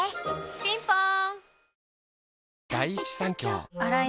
ピンポーン